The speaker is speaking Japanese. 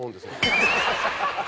ハハハハ！